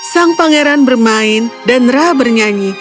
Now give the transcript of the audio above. sang pangeran bermain dan rah bernyanyi